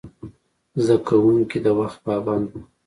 زده کوونکي د وخت پابند وو.